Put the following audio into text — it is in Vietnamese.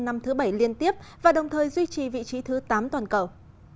năm thứ bảy liên tiếp và đồng thời duy trì vị trí thứ tám toàn cầu